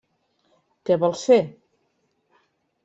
Què vols fer?